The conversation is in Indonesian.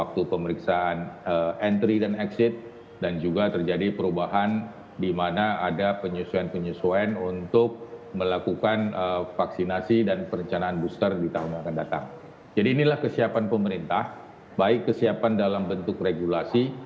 termasuk juga pembatasan kegiatan masyarakat dari tanggal dua puluh empat desember sampai dua januari